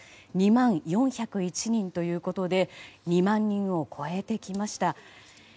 ２万４０１人ということで２万人を超えてきました。